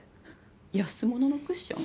安物のクッション？